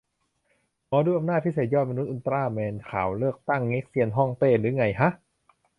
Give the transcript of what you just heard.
หมอดู อำนาจพิเศษ ยอดมนุษย์ อุลตร้าแมน ข่าวเลือกตั้งเง็กเซียนฮ่องเต้รึไงฮะ